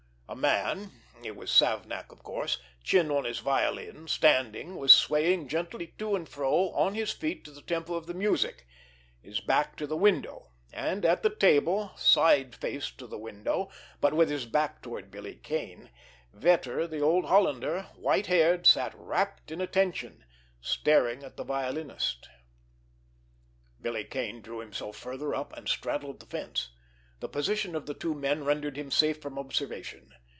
A man, it was Savnak of course, chin on his violin, standing, was swaying gently to and fro on his feet to the tempo of the music, his back to the window; and at the table, side face to the window, but with his back toward Billy Kane, Vetter, the old Hollander, white haired, sat rapt in attention, staring at the violinist. Billy Kane drew himself further up, and straddled the fence. The position of the two men rendered him safe from observation.